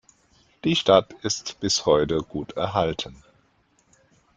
Die Stadt ist bis heute gut erhalten.